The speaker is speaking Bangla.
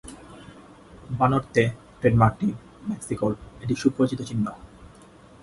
"বানরতে" ট্রেডমার্কটি মেক্সিকোর একটি সুপরিচিত চিহ্ন।